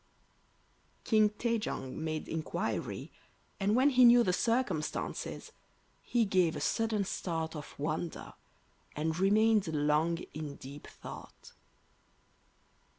King Tai jong made inquiry, and when he knew the circumstances he gave a sudden start of wonder and remained long in deep thought.